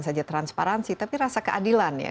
saja transparansi tapi rasa keadilan ya